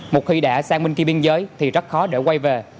một khi đã sang bên kia biên giới thì rất khó để quay về